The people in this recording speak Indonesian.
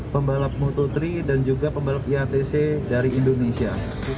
pembalap moto tiga dan juga pembalap iatc dari indonesia